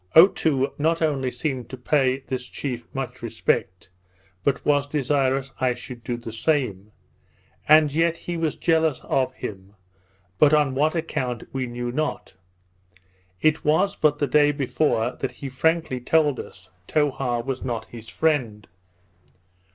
Otoo not only seemed to pay this chief much respect, but was desirous I should do the same; and yet he was jealous of him, but on what account we knew not. It was but the day before that he frankly told us, Towha was not his friend.